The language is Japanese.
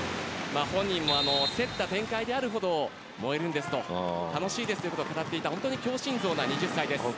本人も競った展開であるほど燃えるんですと楽しいですと語っていた強心臓な２０歳です。